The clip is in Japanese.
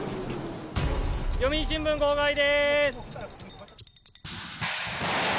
読売新聞、号外です。